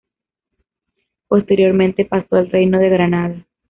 Posteriormente pasó al reino de Granada.